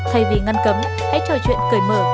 thay vì ngăn cấm hãy trò chuyện cởi mở